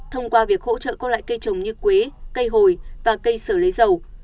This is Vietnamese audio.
thông qua việc hỗ trợ các loại cây trồng như quế cây hồi và cây sở lấy dầu